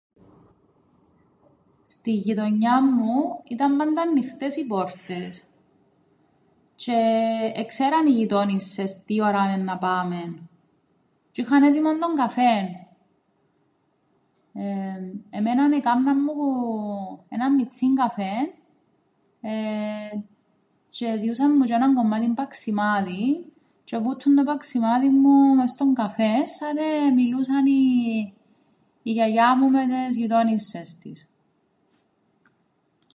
Στην γειτονιάν μου ήταν πάντα ανοιχτές οι πόρτες τζ̆αι εξέραν οι γειτόνισσες τι ώραν εννά πάμεν τζ̆' είχαν έτοιμον τον καφέν. Εμέναν εκάμναν μου έναν μιτσήν καφέν τζ̆αι εδιούσαν μου τζ̆' έναν κομμάτιν παξιμάδιν τζ̆αι εβούττουν το παξιμάδιν μου μες στον καφέν σαν εμιλούσαν η γιαγιά μου με τες γειτόνισσες της.